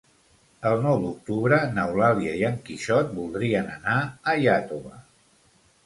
El nou d'octubre n'Eulàlia i en Quixot voldrien anar a Iàtova.